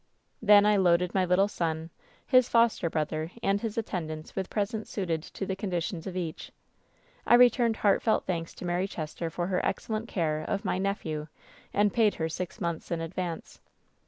"Then 1 loaded my little son, his foster brother and his attendants with presents suited to the conditions of each. I returned heartfelt thanks to Mary Chester for her excellent care of my 'nephew,' and paid her six months in advance.